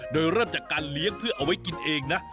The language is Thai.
โดยเริ่มจากการเลี้ยงเพื่อเอาไว้กินเองนะ